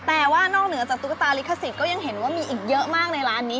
แต่ว่านอกเหนือจากตุ๊กตาลิขสิทธิ์ก็ยังเห็นว่ามีอีกเยอะมากในร้านนี้